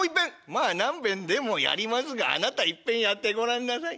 「まあ何べんでもやりますがあなたいっぺんやってごらんなさい。